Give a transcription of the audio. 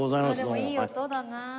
でもいい音だな。